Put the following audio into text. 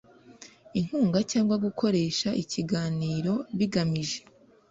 inkunga cyangwa gukoresha ibiganiro bigamije